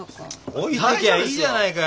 置いてきゃいいじゃないか。